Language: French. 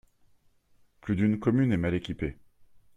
Plus d’une commune est mal équipée.